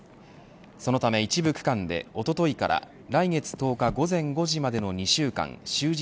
そのため一部区間でおとといから来月１０日午前５時までの２週間終日